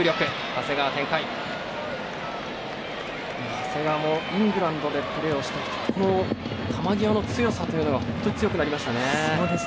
長谷川も、イングランドでプレーをしてきてこの球際の強さというのが本当に強くなりましたね。